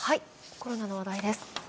コロナの話題です。